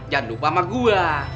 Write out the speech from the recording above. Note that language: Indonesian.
jangan lupa sama gua